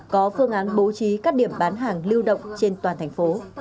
có phương án bố trí các điểm bán hàng lưu động trên toàn thành phố